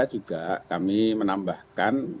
juga kami menambahkan